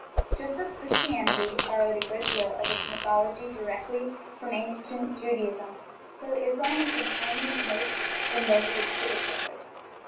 Just as Christianity borrowed a good deal of its my thology directly from ancient Judaism, so Islam has inherited much from both its predecessors.